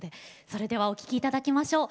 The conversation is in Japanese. それではお聴きいただきましょう。